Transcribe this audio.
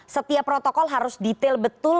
setiap protokol harus detail betul